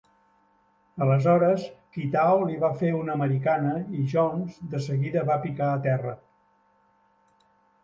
Aleshores, Kitao li va fer una americana i Jones de seguida va picar a terra.